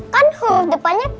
kan huruf depannya k